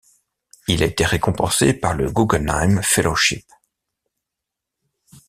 Il a été récompensé par le Guggenheim Fellowship.